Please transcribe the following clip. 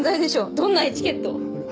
どんなエチケット？